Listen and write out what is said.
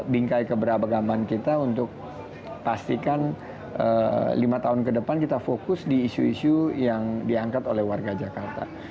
bingkai keberagaman kita untuk pastikan lima tahun ke depan kita fokus di isu isu yang diangkat oleh warga jakarta